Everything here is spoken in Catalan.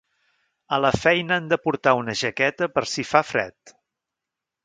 A la feina han de portar una jaqueta per si fa fred.